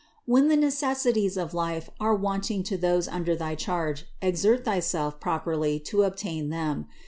663. When the necessaries of life are wanting to those under thy charge, exert thyself properly to obtain them.